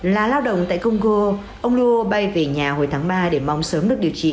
là lao động tại congo ông luo bay về nhà hồi tháng ba để mong sớm được điều trị